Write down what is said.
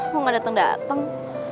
mau gak dateng dateng